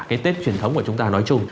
cái tết truyền thống của chúng ta nói chung